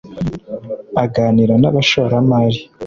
Aganira n’abashoramari